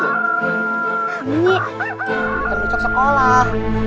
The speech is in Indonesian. udah usut sekolah